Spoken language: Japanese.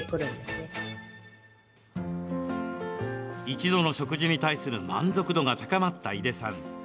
一度の食事に対する満足度が高まった井出さん。